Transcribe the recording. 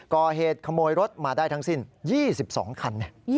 ก่อเหตุขโมยรถมาได้ทั้งสิ้น๒๒คัน